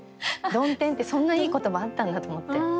「曇天」ってそんないい言葉あったんだと思って。